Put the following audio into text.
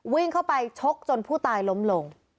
วิ่งเข้าไปชกจนผู้ตายล้มลง